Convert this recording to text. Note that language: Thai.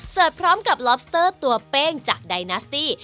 พร้อมกับลอบสเตอร์ตัวเป้งจากไดนาสตี้